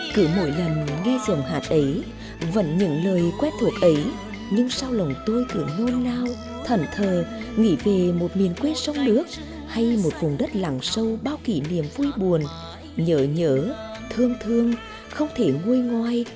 cứ mỗi lần nghe dòng hạt ấy vẫn những lời quét thuộc ấy nhưng sao lòng tôi cứ nôn nao thẩn thờ nghĩ về một miền quê sông nước hay một vùng đất lặng sâu bao kỷ niệm vui buồn nhớ nhớ thương thương không thể nguôi ngoai